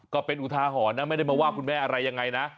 ก็เป็นอุทาหรณ์นะไม่ได้มาว่าคุณแม่อะไรยังไงนะ